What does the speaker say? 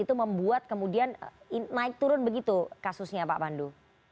itu membuat kemudian naik turun begitu kasusnya pak pandu